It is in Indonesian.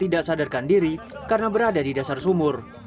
tidak sadarkan diri karena berada di dasar sumur